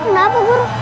guru guru kenapa guru